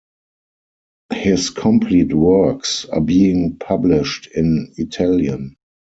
His complete works are being published in Italian.